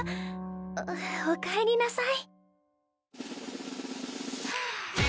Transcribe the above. あっおかえりなさい。